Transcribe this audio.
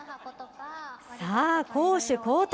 さあ、攻守交替。